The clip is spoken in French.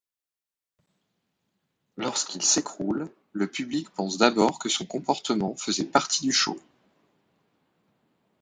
Lorsqu'il s'écroule, le public pense d'abord que son comportement faisait partie du show.